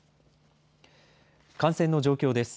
感染の状況です。